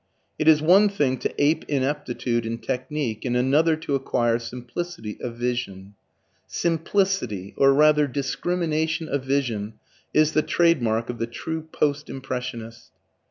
It is one thing to ape ineptitude in technique and another to acquire simplicity of vision. Simplicity or rather discrimination of vision is the trademark of the true Post Impressionist.